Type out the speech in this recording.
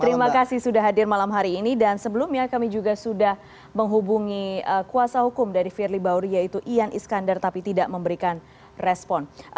terima kasih sudah hadir malam hari ini dan sebelumnya kami juga sudah menghubungi kuasa hukum dari firly bahuri yaitu ian iskandar tapi tidak memberikan respon